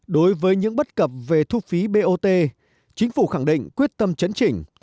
đối với những bất cập về thu phí bot chính phủ khẳng định quyết tâm chấn chỉnh